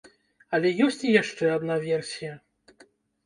Але ёсць і яшчэ адна версія.